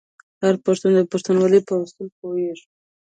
هر پښتون د پښتونولۍ په اصولو پوهیږي.